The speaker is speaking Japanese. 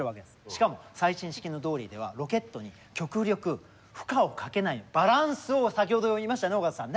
しかも最新式のドーリーではロケットに極力負荷をかけないバランスを先ほど言いましたね尾形さんね。